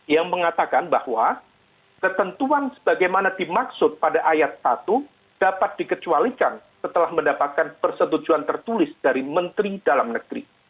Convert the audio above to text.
yang mengatakan bahwa ketentuan sebagaimana dimaksud pada ayat satu dapat dikecualikan setelah mendapatkan persetujuan tertulis dari menteri dalam negeri